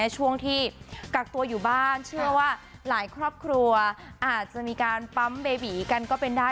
ช่วงที่กักตัวอยู่บ้านเชื่อว่าหลายครอบครัวอาจจะมีการปั๊มเบบีกันก็เป็นได้